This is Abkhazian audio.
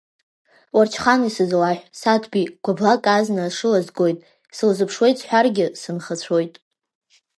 Уарчхан исызлаҳә, Саҭбеи, гәаблаак азна ашыла згоит, сылзыԥшуеит сҳәаргьы, сынхацәоит.